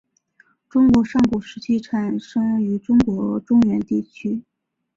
中国上古时期产生于中国中原地区。